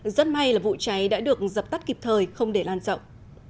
rất may là vụ cháy đã được dập tắt kịp thời không để lan rộng